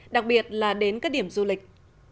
đặc biệt là đến các điểm du lịch